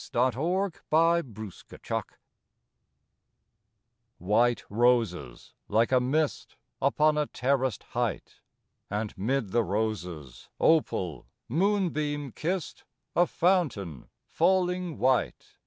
MUSIC AND MOONLIGHT White roses, like a mist Upon a terraced height; And 'mid the roses, opal, moonbeam kissed, A fountain falling white.